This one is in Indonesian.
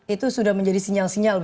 itu sudah menjadi sinyal sinyal